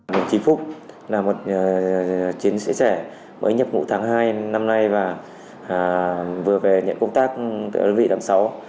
đồng chí phúc là một chiến sĩ trẻ mới nhập ngũ tháng hai năm nay và vừa về nhận công tác ở vị đẳng sáu